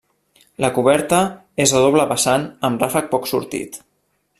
La coberta és a doble vessant amb ràfec poc sortit.